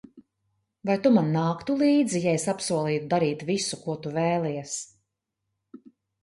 Vai Tu man nāktu līdzi, ja es apsolītu darīt visu, ko Tu vēlies?